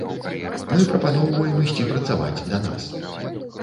Мы прапаноўваем ісці працаваць да нас.